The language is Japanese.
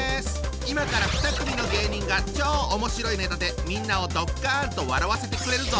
今から２組の芸人が超おもしろいネタでみんなをドッカンと笑わせてくれるぞ！